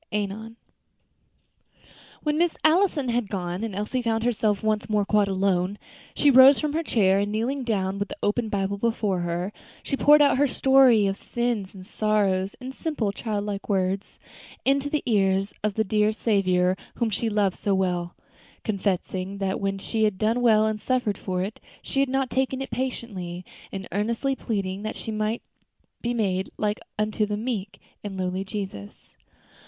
ANON. When Miss Allison had gone, and Elsie found herself once more quite alone, she rose from her chair, and kneeling down with the open Bible before her, she poured out her story of sins and sorrows, in simple, child like words, into the ears of the dear Saviour whom she loved so well; confessing that when she had done well and suffered for it, she had not taken it patiently, and earnestly pleading that she might be made like unto the meek and lowly Jesus.